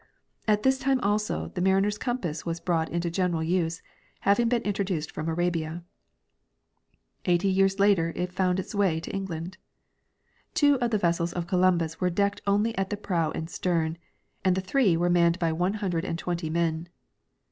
At this time also the mariner's compass was brought into general use, having been introduced from Arabia ; eighty years later it found its way to England. Two of the ves sels of Columbus were decked only at the prow and stern, and the three were manned by one hundred and twenty men.